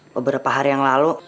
beberapa hari yang lalu